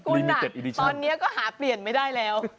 คุณตอนนี้ก็หาเปลี่ยนไม่ได้แล้ว